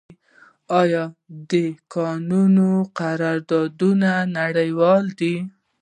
آیا د کانونو قراردادونه نړیوال دي؟